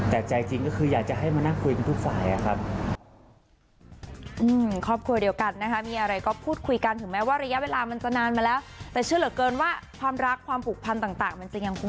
แต่ใจจริงก็คืออยากจะให้มานั่งคุยกันทุกฝ่ายครับ